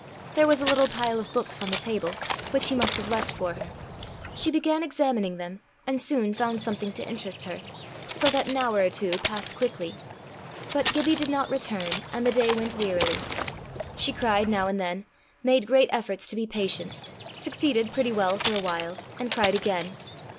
There was a little pile of books on the table, which he must have left for her. She began examining them, and soon found something to interest her, so that an hour or two passed quickly. But Gibbie did not return, and the day went wearily. She cried now and then, made great efforts to be patient, succeeded pretty well for a while, and cried again.